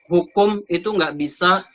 hukum itu gak bisa